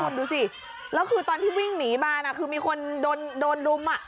คุณดูสิแล้วคือตอนที่วิ่งหนีมาน่ะคือมีคนโดนรุมอ่ะ